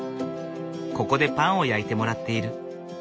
ここでパンを焼いてもらっている。